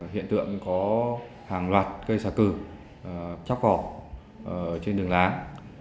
hiện tượng có hàng loạt cây xà cừ chóc vỏ trên đường láng